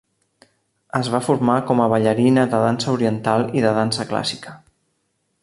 Es va formar com a ballarina de dansa oriental i de dansa clàssica.